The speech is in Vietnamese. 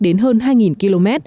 đến hơn hai km